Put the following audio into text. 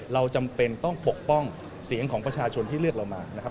เราจำเป็นต้องปกป้องเสียงของประชาชนที่เลือกเรามานะครับ